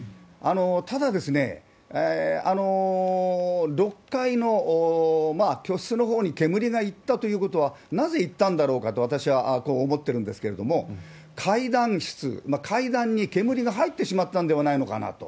ただ、６階の居室のほうに煙が行ったということは、なぜ行ったんだろうかと私は思っているんですけれども、階段室、階段に煙が入ってしまったんではないのかなと。